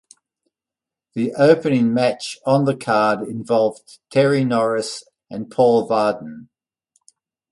The opening match on the card involved Terry Norris and Paul Vaden.